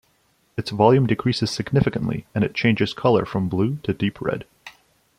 Its volume decreases significantly, and it changes color from blue to deep red.